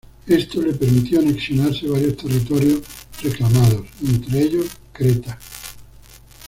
Esto le permitió anexionarse varios territorios reclamados, entre ellos, Creta.